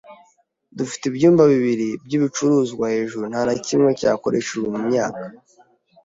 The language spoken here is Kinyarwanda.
Dufite ibyumba bibiri by'ibicuruzwa hejuru, nta na kimwe cyakoreshejwe mu myaka.